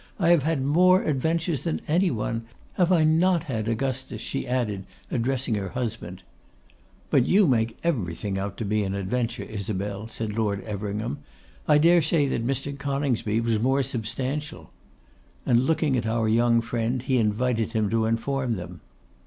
I have had more adventures than any one. Have I not had, Augustus?' she added, addressing her husband. 'But you make everything out to be an adventure, Isabel,' said Lord Everingham. I dare say that Mr. Coningsby's was more substantial.' And looking at our young friend, he invited him to inform them.